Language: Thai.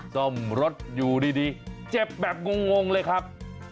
ซ่อมรถอยู่ดีเจ็บแบบงงเลยครับ